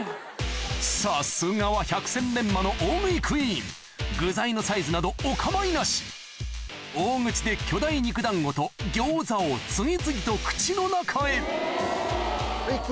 さすがは百戦錬磨の大食いクイーン具材のサイズなどお構いなし大口で巨大肉団子と餃子を次々と口の中へ行く？